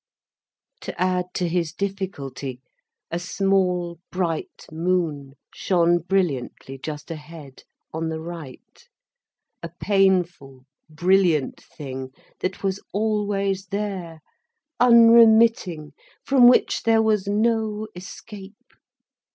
To add to his difficulty, a small bright moon shone brilliantly just ahead, on the right, a painful brilliant thing that was always there, unremitting, from which there was no escape.